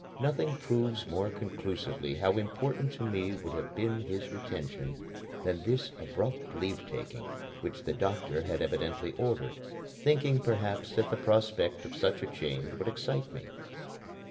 Nothing proves more conclusively how important to me would have been his retention than this abrupt leave taking which the doctor had evidently ordered, thinking perhaps that the prospect of such a change would excite me.